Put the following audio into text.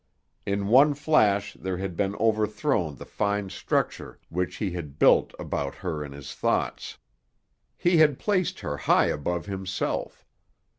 In one flash there had been overthrown the fine structure which he had built about her in his thoughts. He had placed her high above himself.